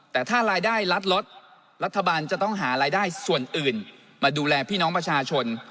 แต่ถ้ารายได้ลัดลดรัฐบาลจะต้องหารายได้ส่วนอื่นมาดูแลพี่น้องประชาชน